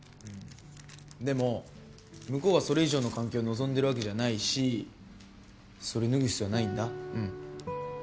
でも向こうはそれ以上の関係を望んでるわけじゃないしそれ脱ぐ必要はないんだうん。